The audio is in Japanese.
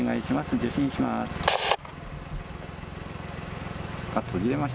受信します。